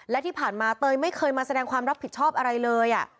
และที่ผ่านมาเตยไม่เคยมาแสดงความรับผิดชอบอะไรเลย